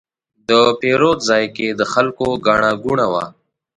د پیرود ځای کې د خلکو ګڼه ګوڼه وه.